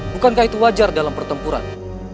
bukankah itu wajar dalam pertempuran